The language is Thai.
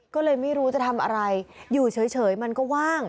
ก็เลยไม่รู้จะทำอะไรอยู่เฉยมันก็ว่าง